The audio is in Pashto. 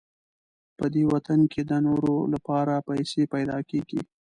په دې وطن کې د نورو لپاره پیسې پیدا کېږي.